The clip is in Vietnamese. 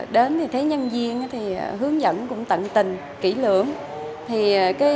đến thì thấy nhân viên thì hướng dẫn cũng tận tình kỹ lưỡng